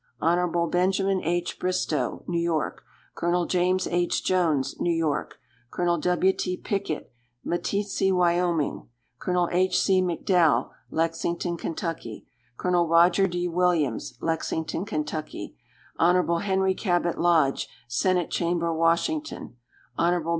_ Hon. Benj. H. Bristow, New York. Col. James H. Jones, New York. Col. W. T. Pickett, Meeteetse, Wy. Col. H. C. McDowell, Lexington, Ky. Col. Roger D. Williams, Lexington, Ky. Hon. Henry Cabot Lodge, Senate Chamber, Washington. Hon.